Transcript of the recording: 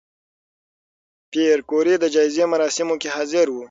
پېیر کوري د جایزې مراسمو کې حاضر و؟